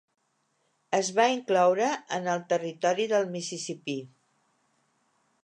Es va incloure en el Territori del Mississipí.